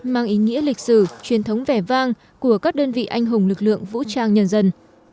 mang ý nghĩa lịch sử truyền thống vẻ vang của các đơn vị anh hùng lực lượng vũ trang nhân dân